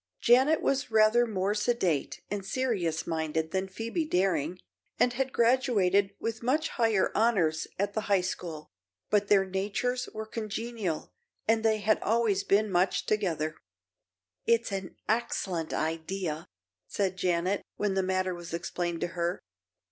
Janet was rather more sedate and serious minded than Phoebe Daring, and had graduated with much higher honors at the high school, but their natures were congenial and they had always been much together. "It's an excellent idea," said Janet, when the matter was explained to her.